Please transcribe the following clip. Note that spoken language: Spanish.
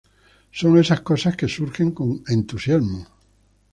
Son esas cosas, que surgen con entusiasmo.